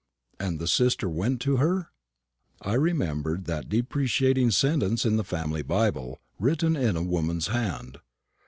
"And the sister went to her?" I remembered that deprecating sentence in the family Bible, written in a woman's hand.